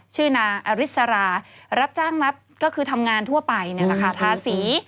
ชื่อนางอริสรารับจ้างรับก็คือทำงานทั่วไปนี่แหละค่ะทาสี